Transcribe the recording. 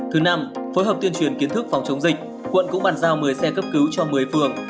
thứ năm phối hợp tuyên truyền kiến thức phòng chống dịch quận cũng bàn giao một mươi xe cấp cứu cho một mươi phường